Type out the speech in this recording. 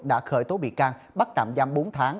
đã khởi tố bị can bắt tạm giam bốn tháng